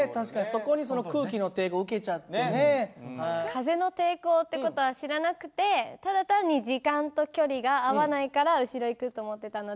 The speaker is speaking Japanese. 風の抵抗って事は知らなくてただ単に時間と距離が合わないから後ろ行くと思ってたので。